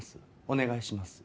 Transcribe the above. お願いします。